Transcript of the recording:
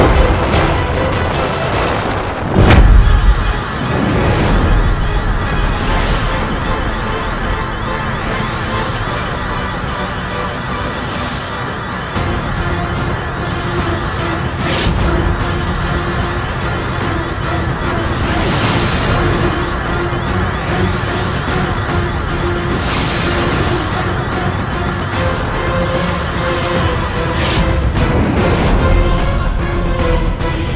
kau akan menang